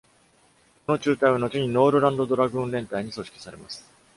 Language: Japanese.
この中隊は後にノールランド・ドラグーン連隊に組織されます。